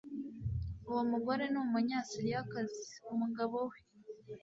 uwo mugore ni umunyasiriyakazi umugabo we